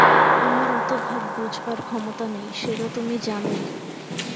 আমার অত ভাব বুঝবার ক্ষমতা নেই, সে তো তুমি জানই ।